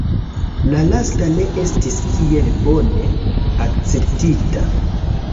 La lasta ne estis kiel bone akceptita.